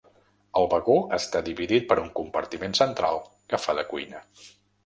El vagó està dividit per un compartiment central que fa de cuina.